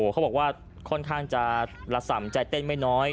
เขาบอกว่าค่อนข้างจะละส่ำใจเต้นไม่น้อย